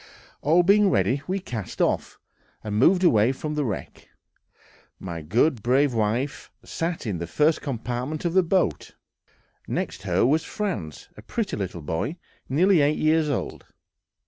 All being ready, we cast off, and moved away from the wreck. My good, brave wife sat in the first compartment of the boat; next her was Franz, a pretty little boy, nearly eight years old.